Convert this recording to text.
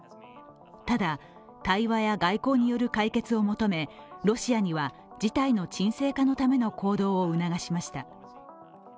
ただ、対話や外交による解決を求めロシアには事態の鎮静化のための行動を促しました。